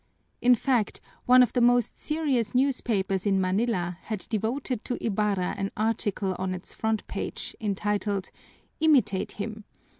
In fact one of the most serious newspapers in Manila had devoted to Ibarra an article on its front page, entitled, "Imitate him!"